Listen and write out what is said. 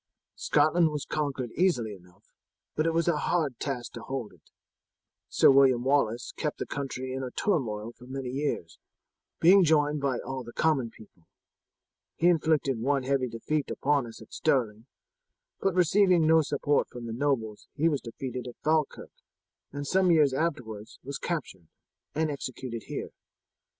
Scotland was conquered easily enough, but it was a hard task to hold it. Sir William Wallace kept the country in a turmoil for many years, being joined by all the common people. He inflicted one heavy defeat upon us at Stirling, but receiving no support from the nobles he was defeated at Falkirk, and some years afterwards was captured and executed here.